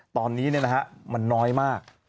ตอนนี้เนี่ยนะฮะมันน้อยมาก